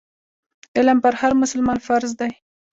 علم پر هر مسلمان فرض دی.